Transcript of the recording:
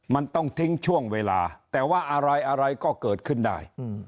มันต้องทิ้งช่วงเวลาแต่ว่าอะไรอะไรก็เกิดขึ้นได้